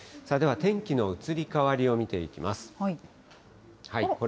では天気の移り変わりを見ていきます。